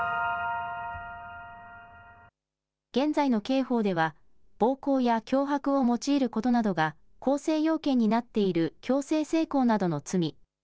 現在の刑法では暴行や脅迫を用いることなどが構成要件になっている強制性交などの罪。